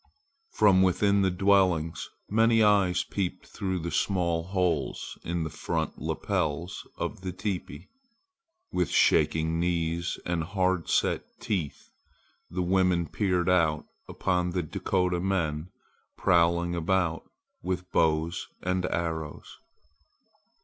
From within the dwellings many eyes peeped through the small holes in the front lapels of the teepee. With shaking knees and hard set teeth, the women peered out upon the Dakota men prowling about with bows and arrows.